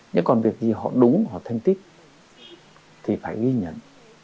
nhưng còn việc gì họ đúng họ thành tích thì phải ghi nhận